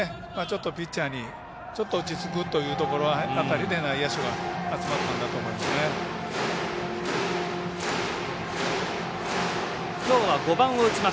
ピッチャーにちょっと落ち着くということで内野手が集まったんだと思います。